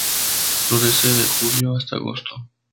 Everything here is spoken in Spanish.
Florece de julio hasta agosto.